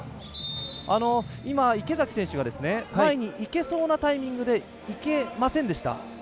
池崎選手が前にいけそうなタイミングでいけませんでした。